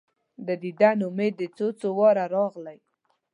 د دیدن امید دي څو، څو واره راغلی